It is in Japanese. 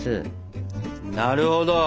なるほど。